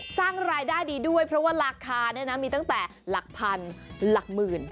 สร้างรายได้ดีด้วยเพราะว่าราคาเนี่ยนะมีตั้งแต่หลักพันหลักหมื่น